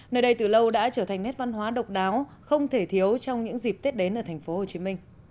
nơi đây từ lâu đã trở thành nét văn hóa độc đáo không thể thiếu trong những dịp tết đến ở tp hcm